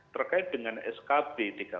terkait dengan skb tiga